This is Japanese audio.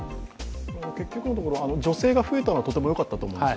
結局のところ、女性が増えたのはとてもよかったと思います。